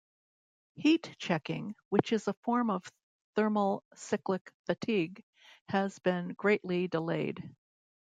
Heat checking, which is a form of thermal cyclic fatigue has been greatly delayed.